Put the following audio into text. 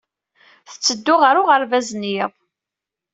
Tetteddu ɣer uɣerbaz n yiḍ.